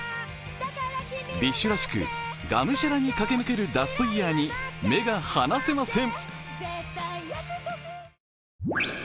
ＢｉＳＨらしくがむしゃらに駆け抜けるラストイヤーに目が離せません。